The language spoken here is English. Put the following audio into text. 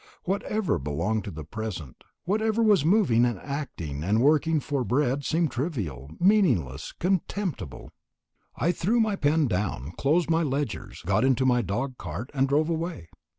Whatever belonged to the present, whatever was moving and acting and working for bread seemed trivial, meaningless, and contemptible. I threw my pen down, closed my ledgers, got into my dog cart, and drove away.